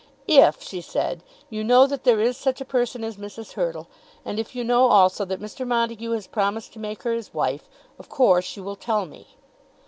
"If," she said, "you know that there is such a person as Mrs. Hurtle, and if you know also that Mr. Montague has promised to make her his wife, of course you will tell me."